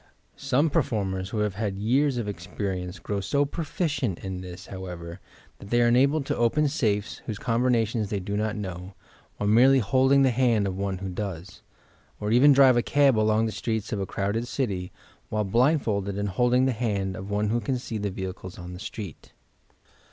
Some performers, who have had years of experience, grow so proficient in this, however, that they are enabled to open safes, whose combinations they do not know, while merely holding the band of one who does, — or even drive a cab along the streets of a crowded city, while blindfolded and holding the hand of one who can see the vehicles on the street.